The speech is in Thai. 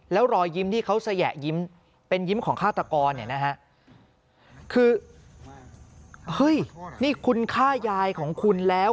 แล้วรอยยิ้มที่เขาแสยิ้มเป็นยิ้มของฆาตกรเนี่ยนะฮะคือเฮ้ยนี่คุณฆ่ายายของคุณแล้ว